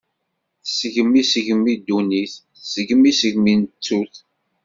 Tesgem isegmi ddunit, tesgem isegmi n ttut.